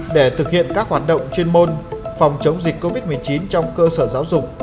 để thực hiện các hoạt động chuyên môn phòng chống dịch covid một mươi chín trong cơ sở giáo dục